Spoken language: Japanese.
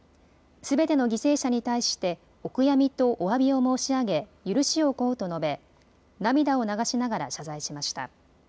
すべての犠牲者に対してお悔やみとおわびを申し上げ許しを請うと述べ涙を流しながら謝罪しました。